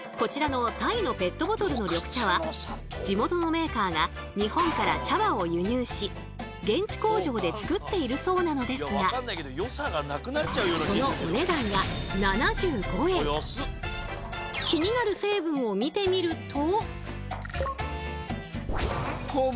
こちらの地元のメーカーが日本から茶葉を輸入し現地工場で作っているそうなのですがそのお値段は気になる成分を見てみると。